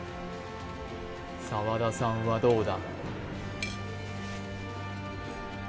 澤田さんはどうだ？